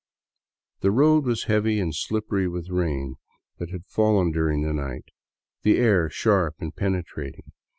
The road was heavy and slippery with the rain that had fallen during the night ; the air still sharp and penetrating.